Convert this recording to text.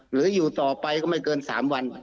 หรืออยู่ต่อไปก็ไม่เกิน๓วัน